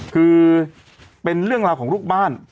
คือเป็นเรื่องราวของลูกบ้าน